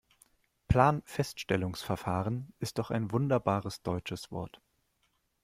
Planfeststellungsverfahren ist doch ein wunderbares deutsches Wort.